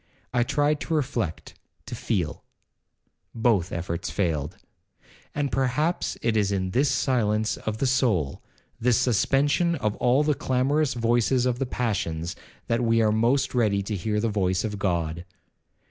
I tried to reflect, to feel,—both efforts failed; and perhaps it is in this silence of the soul, this suspension of all the clamorous voices of the passions, that we are most ready to hear the voice of God.